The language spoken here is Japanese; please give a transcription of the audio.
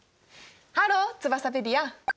ハローツバサペディア。